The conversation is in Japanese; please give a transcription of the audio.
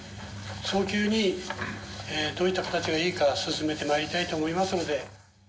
早急にどういった形がいいか進めてまいりたいと思いますので。